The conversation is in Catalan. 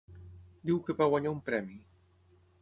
Diu que va guanyar un premi.